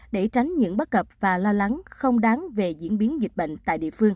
để tránh những bất cập và lo lắng không đáng về diễn biến dịch bệnh tại địa phương